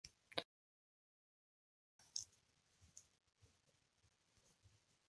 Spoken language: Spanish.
Es abogada por la Pontificia Universidad Católica del Perú.